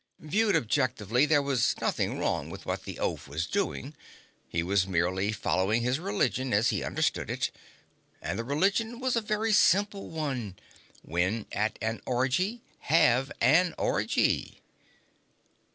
Viewed objectively, there was nothing wrong with what the oaf was doing. He was merely following his religion as he understood it, and the religion was a very simple one: when at an orgy, have an orgy.